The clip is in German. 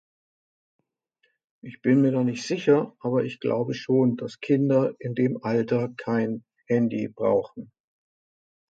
... Ich bin mir da nicht sicher, aber ich glaube schon das Kinder in dem Alter kein Handy brauchen.